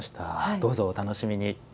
どうぞお楽しみに。